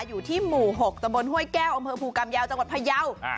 อยู่ที่หมู่๖จับมนต์ห้วยแก้วอภูกรรมเยาะจับมนต์พระเยาว์